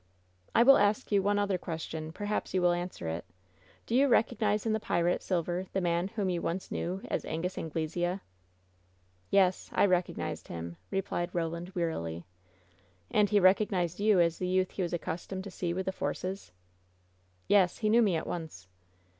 "I will ask you one other question. Perhaps you will answer it. Did you recognize in the pirate Silver the man whom you once knew as Angus Anglesea?" "Yes, I recognized him," replied Roland, wearily. "And he recognized you as the youth he was accus tomed to see with the Forces?" "Yes, he knew me at once."